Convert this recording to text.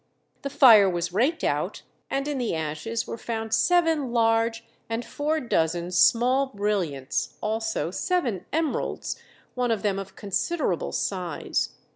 The fire was raked out, and in the ashes were found seven large and four dozen small brilliants, also seven emeralds, one of them of considerable size.